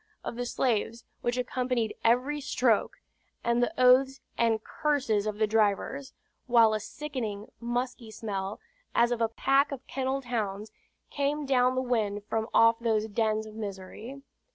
of the slaves which accompanied every stroke, and the oaths and curses of the drivers; while a sickening musky smell, as of a pack of kennelled hounds, came down the wind from off those dens of misery.